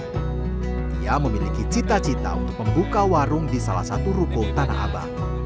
dia memiliki cita cita untuk membuka warung di salah satu ruko tanah abang